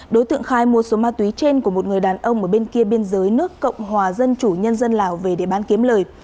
đối tượng khai mua số ma túy trên của một người đàn ông ở bên kia biên giới nước cộng hòa dân chủ nhân dân lào về để bán kiếm lời